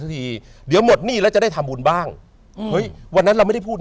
ทีเดี๋ยวหมดหนี้แล้วจะได้ทำบุญบ้างเฮ้ยวันนั้นเราไม่ได้พูด